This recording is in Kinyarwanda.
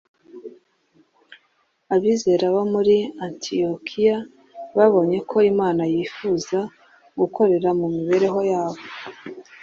Abizera bo muri Antiyokiya babonye ko Imana yifuza gukorera mu mibereho yabo